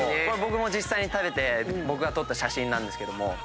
僕も実際に食べて僕が撮った写真なんですけども。